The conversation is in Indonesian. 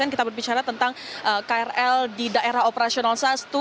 kita berbicara tentang krl di daerah operasional satu